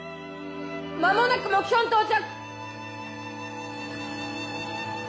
間もなく目標に到着！